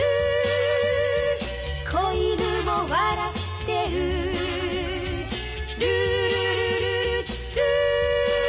「小犬も笑ってる」「ルールルルルルー」